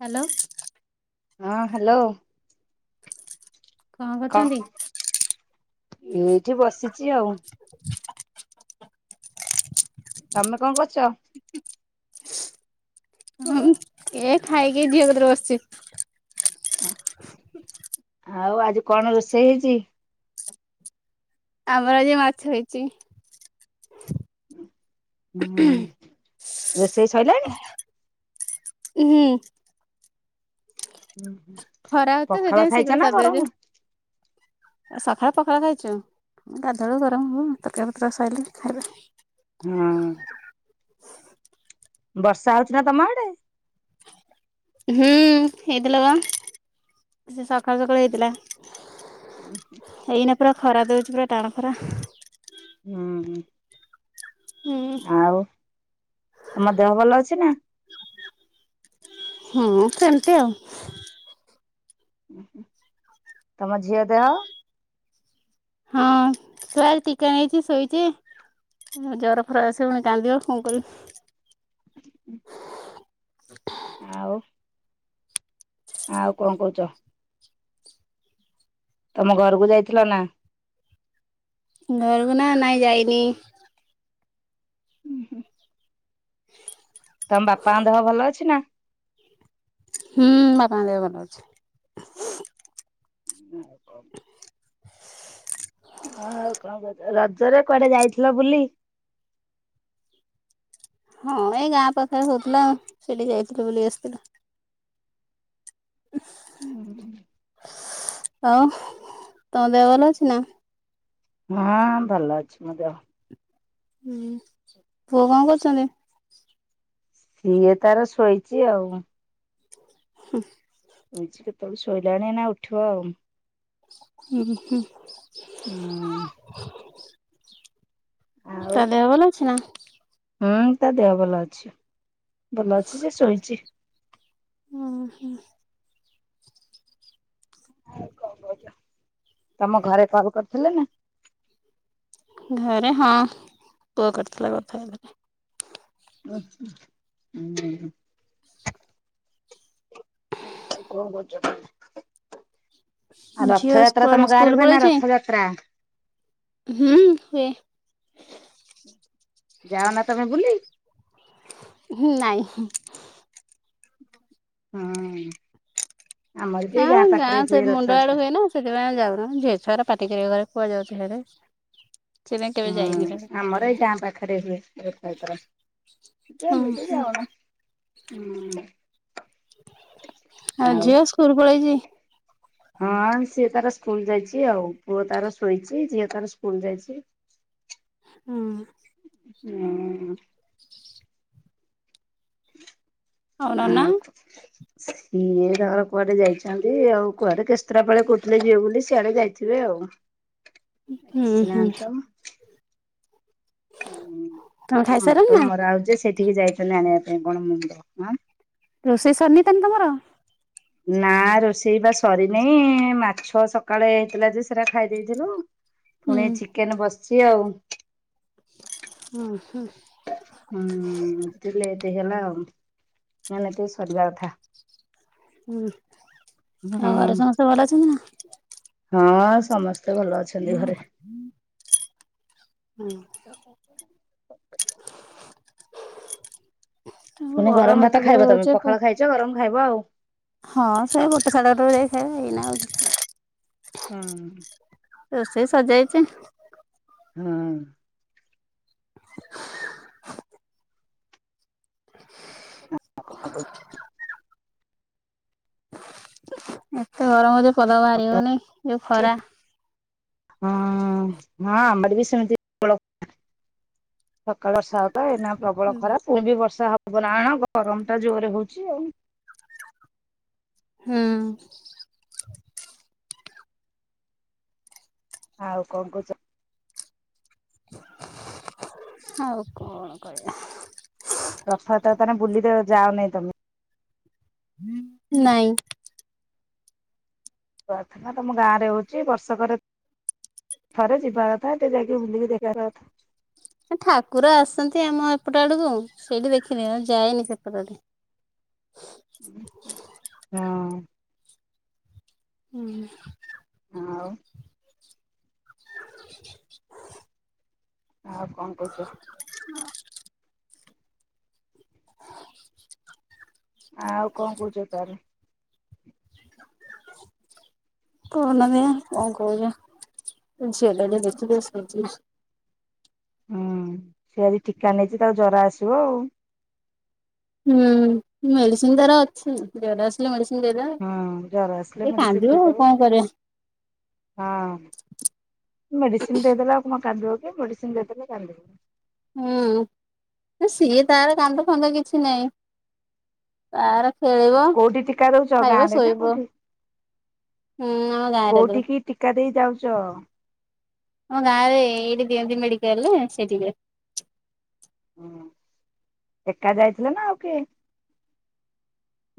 Hello ହଁ hello କଣ କ କରୁଛନ୍ତି? ଏଇଠି ବସିଛି ଆଉ। ତମେ କଣ କରୁଛ? ମୁଁ ଏ ଖାଇକି ଝିଅ କତିରେ ବସିଛି। ଅ ଆଉ ଆଜି କଣ ରୋଷେଇ ହେଇଛି। ଆମର ଆଜି ମାଛ ହେଇଛି। ହୁଁ ରୋଷେଇ ସରିଲାଣି। ହୁଁ। ଉୁଁ ହୁଁ ଖରା ହଉଛି ତ ପଖାଳ ସେଥିପାଇଁ ଖାଇଛ ନା ଗରମ? ସଖାଳେ ପଖାଳ ଖାଇଚୁ। ଗାଧୁଆ ବେଳକୁ ଗରମ ହବ ତରକାରି ପତ୍ର ସବୁ ସରିଲେ ଖାଇବା। ହୁଁ। ବର୍ଷା ହଉଛି ନା ତମ ଆଡେ। ହୁଁ ହେଇଥିଲା ବା। ସେ ସକାଳୁ ସକାଳୁ ହେଇଥିଲା। [unintelligible] ଏଇନା ପୁରା ଖରା ଦଉଛି ପୁରା ଟାଣ ଖରା। ହୁଁ, ହୁଁ ହୁଁ ଆଉ ତମ ଦେହ ଭଲ ଅଛି ନା। ହୁଁ, ସେମତି ଆଉ ତମ ଝିଅ ଦେହ ହଁ, ଛୁଆ ଟିକେ ନେଇକି ଶୋଇଛି। ଉଁ ଜର ଫର ଆସିବ ଫୁଣି କାନ୍ଦିବ କଣ କରବି। [unintelligible] ଆଉ। ଆଉ କଁ କହୁଛ। ତମ ଘରକୁ ଯାଇଥିଲ ନା। ଘରକୁ ନା ନାଇଁ ଯାଇନି। ଉଁ, ହୁଁ। [unintelligible] ତମ ବାପାଙ୍କ ଦେହ ଭଲ ଅଛି ନା। ହୁଁ ବାପା ଙ୍କ ଦେହ ଭଲ ଅଛି। [inaudible] ଆଉ କଁ କହୁଚ ରଜରେ କୁଆଡେ ଯାଇଥିଲ ବୁଲି। ହଁ, ଏଇ ଗାଁ ପାଖରେ ହଉଥିଲା ସେଇଠିକି ଯାଇଥିଲୁ ବୁଲିକି ଆସିଥିଲୁ। [inaudible] ହଁ ତମ ଦେହ ଭଲ ଅଛି ନା। ହଁ, ଭଲ ଅଛି ମୋ ଦେହ। ହୁଁ ପୁଅ କଁ କରୁଛନ୍ତି? ସିଏ ତାର ଶୋଇଛି ଆଉ। ହୁଁ। ଶୋଇଛି କେତେବେଳୁ ଶୋଇଲାଣି ଏଇନା ଉଠିବ ଆଉ। ଉଁ, ହୁଁ। ଉଁ। ଆଉ ତା ଦେହ ଭଲ ଅଛି ନା। ହୁଁ ତା ଦେହ ଭଲ ଅଛି ଭଲ ଅଛି ସେ ଶୋଇଛି। ଉଁ ହୁଁ। ତମ ଘରେ କାହାକୁ କରିଥିଲେ ନି। ଘରେ ହଁ ପୁଅ କରିଥିଲା କଥା ହେଇଥିଲି। ଉଁ, ହୁଁ, ହୁଁ। ନାଁ ଆଉ କଣ କରୁଛ କୁହ। ଆଉ ଝିଅ ରଥଯାତ୍ରା କୁଆଡେ ତମ ଗାଁରେ ସ୍କୁଲ ହୁଏ ନା ପଳେଇଛି? ରଥଯାତ୍ରା। ହୁଁ ହୁଏ ଯାଅ ନା ତମେ ବୁଲି। ହୁଁ, ନାଇଁ ହିଁ। ହୁଁ ଆମର ବି ହଁ ଗାଁ ପାଖରେ ସେ ହୁଏ ମୁଣ୍ଡ ଆଡେ ରଥଯାତ୍ରା। ହୁଏ ନା ସେଥିପାଇଁ ଆମେ ଯାଉନୁ ଝିଅ ଛୁଆଗୁରା ପାଟିି କରିବେ ଘରେ କୁଆଡେ ଯାଉଛ ସିଆଡେ। ସେଥିପାଇଁ କେବେ ଯାଇନି ହୁଁ ସିଆଡେ। ଆମର ଏଇ ଗାଁ ପାଖରେ ହୁଏ ରଥଯାତ୍ରା। ହୁଁ ଏମତି ହୁଁ ଯାଉନା ହୁଁ। ଆଉ ଝିଅ ସ୍କୁଲ୍ ପଳେଇଛି। ହଁ ସିଏ ତାର ସ୍କୁଲ୍ ଯାଇଛି ଆଉ, ପୁଅ ତାର ଶୋଇଛି ଝିଅ ତାର ସ୍କୁଲ୍ ଯାଇଛି। ହୁଁ। ନାଇଁ। ଆଉ ନନା। ହ ସିଏ ତାଙ୍କର କୁଆଡେ ଯାଇଛନ୍ତି ଆଉ କୁଆଡେ କେସ୍ତୁରାପାଳ କହୁଥିଲେ ଯିବ ବୋଲି ସିଆଡେ ଯାଇଥିବେ ଆଉ। ହୁଁ ହୁଁ ଆସିନାହାନ୍ତି ତ। ତମେ ହୁଁ ଖାଇସାରିଲଣି ନା ମଟନ ମରା ହୋଉଚି ସେଇଠିକି ଯାଇଛନ୍ତି ଆଣିବା ପାଇଁ କଣ ମୁଣ୍ଡ ହାଁ ରୋଷେଇ ସରିନି ତମେ ତମର? ନା ରୋଷେଇ ବା ସରିନେଇ, ମାଛ ସକାଳେ ହେଇଥିଲା ଯେ ସେ ପୁରା ଖାଇ ଦେଇେଇଥିଲୁ ହୁଁ ପୁଣି ଚିକେନ ବସିଛି ଆଉ। ହୁଁ ହୁଁ। ହୁଁ ଆଜି ଟିକେ ଲେଟ ହେଇଗଲା, ଆଉ ନହେଲେ ଏତିକି ବେଳେ ସରିବା କଥା। ହୁଁ ଆଉ ଘରେ ହୁଁ ସମସ୍ତେ ଭଲ ଅଛନ୍ତି ନା? ହଁ ସମସ୍ତେ ଭଲ ଅଛନ୍ତି ଘରେ। [inaudible] ହୁଁ ଆଉ ପୁଣି ଗରମ ଏତେ ଭାତ ଜୋରେ ଖାଇବ ତମେ ହଉଛି ପ ପଖାଳ ଖାଇଛ ଗରମ ଖାଇବ ଆଉ। ହଁ ସେ ଗୋଟେ ସାଢେଗୋଟେ ବେଳେ ଯାଇ ଖାଇବେ ଏଇନା ଆଉ ହୁଁ। ରୋଷେଇ ସରିଯାଇଛି। [unintelligible] [inaudible] [inaudible] ଏତେ ଗରମ ହଉଛି ପଦା କୁ ବାହାରିହଉନି ଯୋଉ ହୁଁ। ଖରା। ହଁ ହଁ ଆମର ବି ସେମିତି [unintelligible] ସକାଳେ ବର୍ଷା ହଉଥିଲା ଏଇନା ପ୍ରବଳ ଖରା ପୁଣି ବି ବର୍ଷା ହବ ନା କଣ ଗରମ ଟା ଜୋରେ ହଉଛି ଆଉ। ହୁଁ। ଆଉ କଣ କହୁଛ? ହଉ କଣ କହିବା। ରଥଯାତ୍ରା ତାହାଲେ ବୁଲି ତ ଯାଅନି ତମେ। ନାଇଁ। ରଥ ବା ତମ ଗାଁରେ ହଉଛି ବର୍ଷକରେ ଥରେ ଯିବା କଥା ଏଇତ ଯାଇକି ବୁଲିକି ଦେଖିବା କଥା। ଠାକୁର ଆସନ୍ତି ଆମ ଏପଟ ଆଡକୁ, ସେଇଠି ଦେଖିନିଏ ଯାଏନି ସେପଟ ଆଡେ। ହଁ ହିଁ। [inaudible] ହଁ ଆଉ। [inaudible] ଆଉ କଣ କହୁଛ? [inaudible] ଆଉ କଣ କହୁଛ ତାହାଲେ? [unintelligible] ତମେ କଣ କହ [unintelligible] [unintelligible] ହୁଁ ସିଏ ଆଜି ଟିକା ନେଇଚି ତାକୁ ଜର ଆସିବ ଆଉ। ହୁଁ ମେଡିସିନ୍ ତାର ଅଛି। ଜର ଆସିଲେ ମେଡିସିନ ହଁ ଜର ଆସିଲେ ଦେଇଦବ ମେଡିସିନ କାନ୍ଦିବ ଦେଇଦବ। କଣ କରିଆ। ହଁ ମେଡିସିନ ଦେଇଦେଲେ ଆଉ କଣ କାଦିବ କି ମେଡିସିନ ଦେଇଦେଲେ କାନ୍ଦିବନି। ହୁଁ ସିଏ ତାର କାନ୍ଦ ଫାନ୍ଦ କିଛି ନାହିଁ। ତାର ଖେଳିବ କୋଉଠି ଟୀକା ଦଉଛ ଗାଁ ଖାଇବ ରେ ନା ଶୋଇବ। କୋଉଠି? ହୁଁ ଆମ ଗାଆଁ ରେ ଦଉଚି। କୋଉଠିକି ଟୀକା ଦେଇ ଯାଉଚ? ଆମ ଗାଁ ରେ ଏଇଠି ଦିଅନ୍ତି ମେଡିକାଲରେ ସେଠିକି ହୁଁ ଏକା ଯାଇଥିଲା ନା ଆଉ କିଏ?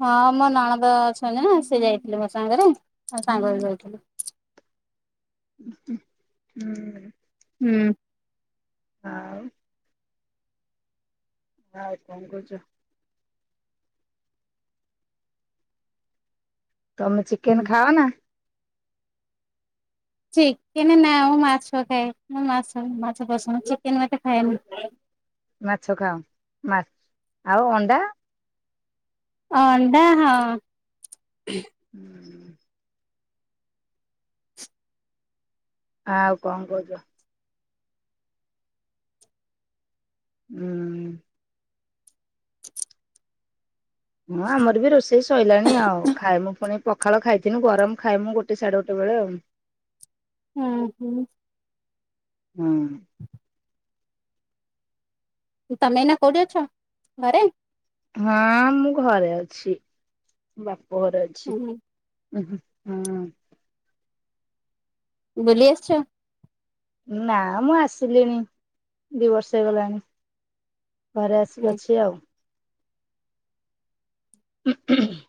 ହଁ ମୋ ନଣଦ ଅଛନ୍ତି ନା ସେ ଯାଇଥିଲେ ମୋ ସାଙ୍ଗରେ ଆଉ ସାଙ୍ଗ ହେଇ ଯାଇଥିଲୁ। ହୁଁ। ହୁଁ। ଆଉ। ଆଉ କଣ କରୁଚ? ତମେ ଚିକେନ ହୁଁ। ଖାଅନା? ଚିକେନ ନା ମୁଁ ମାଛ ଖାଏ ମୁ ମାଛ ମାଛ ପସନ୍ଦ ଚିକେନ ମୁଁ ଏତେ ଖାଏନି। ମାଛ ଖାଅ ମା ଆଉ ଅଣ୍ଡା? ଅଣ୍ଡା ହଁ। ହୁଁ [inaudible] ହଁ ଆଉ କଣ କହୁଛ? ହୁଁ। ହଁ ଆମର ବି ରୋଷେଇ ସଇଲାଣି ଆଉ ଖାଇବୁ ପୁଣି? ପଖାଳ ଖାଇଥୀନୁ ଗରମ ଖାଇମୁ ଗୋଟେ ସାଢ଼େ ଗୋଟେ ବେଳେ ଆଉ। ହୁଁ ହୁଁ। ହୁଁ। ତମେ ଏଇନା କୋଉଠି ଅଛ ଘରେ? ହଁ ମୁଁ ଘରେ ଅଛି ବାପ ଘରେ ଅଛି। ହୁଁ ହଁ। ବୁଲି ଆସିଚ? ନା ମୁଁ ଆସିଲିଣି ଦି ବର୍ଷ ହେଇଗଲାଣି। ଘରେ ଆସି ହୁଁ ଅଛି ଆଉ। ହୁଁ ହୁନ।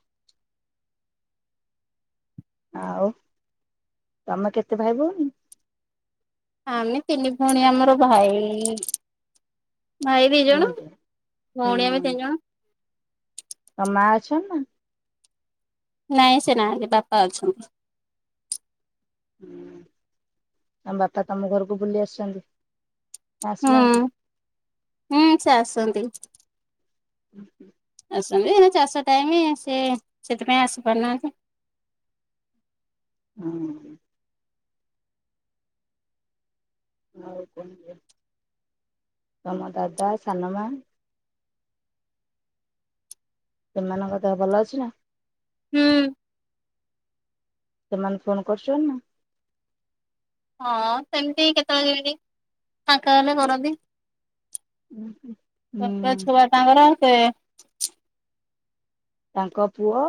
ଆଉ ତମେ କେତେ ଭାଇ ଭଉଣୀ? ଆମେ ତିନି ଭଉଣୀ ଆମର ଭାଇ ଭାଇ ଦି ଜଣ। ନିହାତି ଭଉଣୀ ଆମେ ହୁଁ ତିନି ଜଣ। ତମ ମା ଅଛନ୍ତି ନା? ନାଇଁ ସେ ନାହାନ୍ତି ବାପା ଅଛନ୍ତି। ହୁଁ ତମ ବାପା ତମ ଘରକୁ ବୁଲି ଆସିନ୍ତି? ଆସୁନାହାନ୍ତି। ହୁଁ ହୁଁ ସେ ଆସନ୍ତି। ହୁଁ [inaudible] ଆସନ୍ତି ଏ ଚାଷ ଟାଇମ ସେ ସେଥିପାଇଁ ଆସିପାରୁନାହାନ୍ତି। ହଁ। ଆଉ କୁହ ତମ ଦାଦା ସାନମା। ସେମାନଙ୍କ ଦେହ ଭଲ ଅଛି ନା। ହୁଁ। ସେମାନେ ଫୋନ କରୁଛନ୍ତି ନା? ହଁ ସେମିତି କେତେବେଳେ କେମିତି ଫାଙ୍କା ହେଲେ କରନ୍ତି। ଚାରିଟା ହୁଁ ଛୁଆ ତାଙ୍କର। ତାଙ୍କ ପୁଅ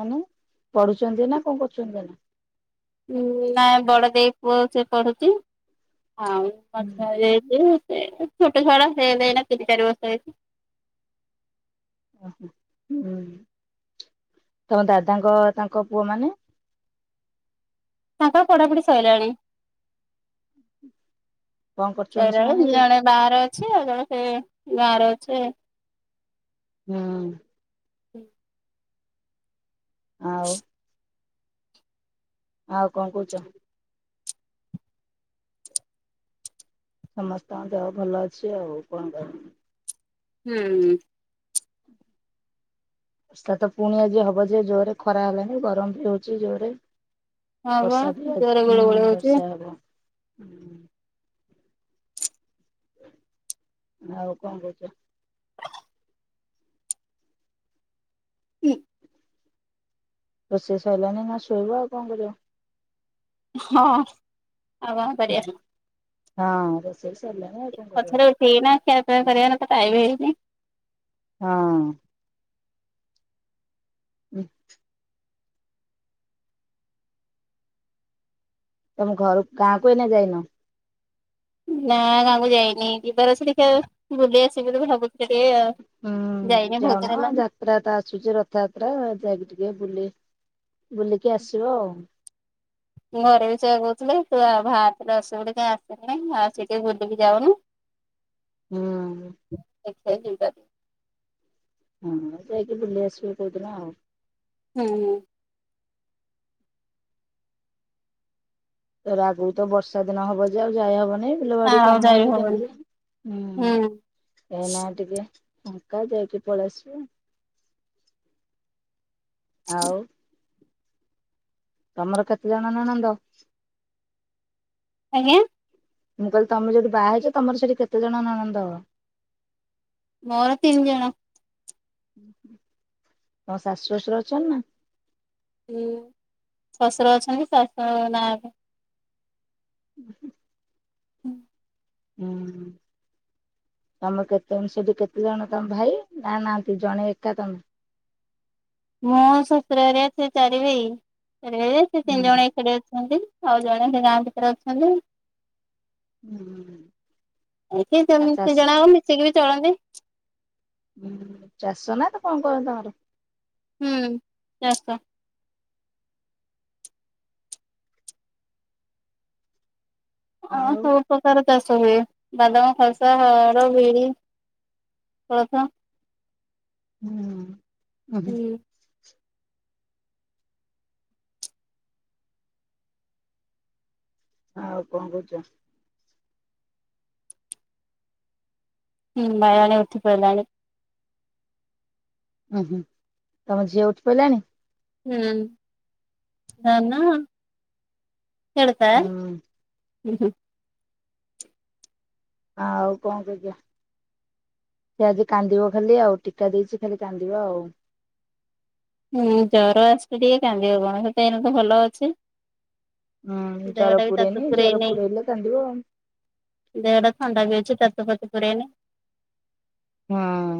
ମାନେ ପଢୁଛନ୍ତି ନା କଣ କରୁଛନ୍ତି ନା? ନାଇ ବଡ଼ ଦେଇ ପୁଅ ସେ ପଢ଼ୁଛି ଆଉ [inaudible] ହୁଁ ଛୋଟ ଛୁଆଟା ସେ ଏଇଲା ତିନି ଚାରି ବର୍ଷ ହେଇଛି। ଓହୋ ହିଁ ତମ ଦାଦାଙ୍କ ତାଙ୍କ ପୁଅ ମାନେ? ତାଙ୍କ ପଢ଼ାପଢ଼ି ସଇଲାଣି କଣ କରୁଛନ୍ତି ସଇଲାଣି ସେମାନେ ଦି ଏବେ? ଜଣ ବାହାରେ ଅଛି ଆଉ ଜଣେ ସେ ଗାଁରେ ଅଛି। ହୁଁ ହୁଁ ଆଉ ଆଉ କଣ କହୁଛ? ସମସ୍ତଙ୍କ ଦେହ ଭଲ ଅଛି ଆଉ କଣ କହିବି? ହୁଁ ହ ବର୍ଷା ତ ପୁଣି ଆଜି ହବ ଯେ ଜୋରରେ ଖରା ହେଲାଣି ଗରମ ବି ହଉଛି ଜୋରେ ହଁ ବା ଜୋରେ ଗୁଳି ଗୁଳି ହଉଛି। ବର୍ଷା ହବ ହୁଁ ଆଉ କଣ କହୁଛ? ହୁଁ। ରୋଷେଇ ସାରଲାଣି ନା ଶୋଇବ ଆଉ କଣ କରିବ? ହଁ ଆଉ କଣ କରିବା? ହଁ ରୋଷେଇ ସାରଲାଣି ଆଉ କଣ କରିବ? ସେଇ ନା ଖିଆ ପିଆ କରିବାର ତ ଟାଇମ୍ ହେଇନି। ହଁ ହୁଁ ତମ ଘର ଗାଁକୁ ଏନେ ଯାଇନ। ନା ଗାଁକୁ ଯାଇନି ଯିବାର ଅଛି ଟିକେ ଦେଖିବା ବୁଲି ଆସିବି ବୋଲି ଭାବୁଛି। ସେ ଯାଇନି ବହୁତ ଦିନି ହେଲାଣି। ରଥଯାତ୍ରା ଆସୁଛି ରଥଯାତ୍ରା ଯାଇକି ଟିକେ ବୁଲି ବୁଲିକି ଆସିବ ଆଉ। ମୁଁ ଘରେ ବି ସେଇଆ କହୁଥିଲେ ତୁ ଆଉ ଭାତ ଆସିବୁ ବୋଲି କାଇଁ ଆସିଲୁ। ଆସିକି ଟିକେ ବୁଲିକି ଯାଉନୁ ହୁଁ ଦେଖିବା। ହଁ ଯାଇକି ବୁଲି ଆସିବ କଉଦିନ ଆଉ ହୁଁ ହୁଁ ତାପରେ ତ ଆଗକୁ ବର୍ଷା ଦିନ ହବ ଯେ ଆଉ ଯାଇ ହବନି। ବିଲବାଡି ଆଉ କାମ ଯାଇ ହେଲେ ହବନି କେମତି ହୁଁ ହୁଁ। ଏଇନା ଟିକେ। ଫାଙ୍କା ଯାଇକି ପଳେଇ ଆସିବ। ଆଉ ତମର କେତେ ଜଣ ନଣନ୍ଦ? ଆଜ୍ଞା ମୁଁ କହିଲି ତମେ ଯୋଠି ବାହା ହେଇଛ ତମର ସେଠି କେତେ ଜଣ ନଣନ୍ଦ? ମୋର ତିନି ଜଣ। ତୋମ ଶାଶୁ ଶଶୁର ଅଛନ୍ତି ନା? ଶଶୁର ଅଛନ୍ତି ଶାଶୁ ନାହାନ୍ତି। ହୁଁ ହୁଁ ହୁଁ ହୁଁ ତମ କେତେ ସେଠି କେତେ ଜଣ ତମ ଭାଇ ନା ନାହାନ୍ତି ଜଣେ ଏକା ତମେ। ମୁଁ ଶଶୁର ଘରେ ସେ ଚାରି ଭାଇ ସେ ଚାରି ଭାଇରେ ସେ ହୁଁ ତିନି ଜଣ ଏକାଠି ଅଛନ୍ତି। ଆଉ ଜଣେ ସେ ଗାଁ ଭିତରେ ଅଛନ୍ତି। ହୁଁ ଏଠି ଆଉ ଚାଷ ଯେମିତି ଜଣ ଆଉ ମିଶିକି ବି ଚଳନ୍ତି। ହୁଁ ଚାଷ ନା କଣ କରନ୍ତି ତମର? ହୁଁ ଚାଷ ଓ ହଉ। ଆଉ ସବୁ ପ୍ରକାର ଚାଷ ହୁଏ ବାଦାମ ଖସା ହରଡ଼ ବିରି କଳଥ। ହୁଁ ଉହୁଁ ହୁଁ ହଁ ଆଉ କଣ କହୁଛ? ହୁଁ ବାୟାଣୀ ଉଠିପାଇଲାଣି। ଉୁଁ ହୁଁ ତମ ଝିଅ ଉଠିପଇଲାଣି ହୁଁ ଧାନ କେଳତା ହୁଁ ହୁଁ ହୁଁ ହଁ ଆଉ କଣ କରିଆ ସେ ଆଜି କାନ୍ଦିବ ଖାଲି ଆଉ ଟୀକା ଦେଇଛି ଖାଲି କାନ୍ଦିବା ଆଉ ହୁଁ ଜର ଆସିଲେ ଟିକେ କାନ୍ଦିବ କଣ ତ ଏଇଲେ ତ ଭଲ ଅଛି। ହୁଁ ଜର ଦେହଟା ବି ତାତି ପୁରନି ପୁରେଇ ଜର ନେଇ ପୁରଲେ କାନ୍ଦିବ ଆ ଦେହଟା ଥଣ୍ଡା ବି ଅଛି ତାତି ଫାତି ପୁରେଇନି। ହଁ